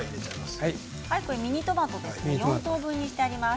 ミニトマトを４等分にしてあります。